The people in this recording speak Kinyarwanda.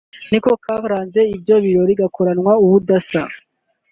niko karanze ibyo birori gakoranwa ubudasa